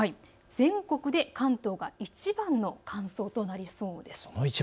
全国で関東がいちばんの乾燥となりそうです。